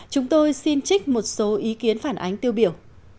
chúng tôi xin trích một số ý kiến phản ánh tiêu biểu